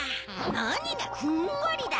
なにがふんわりだ！